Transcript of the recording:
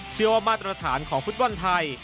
เชื่อว่ามาตรฐานของฟุตวันไทย